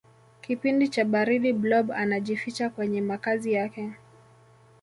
kipindi cha baridi blob anajificha kwenye makazi yake